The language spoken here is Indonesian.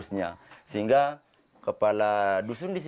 hal ini telah ditulis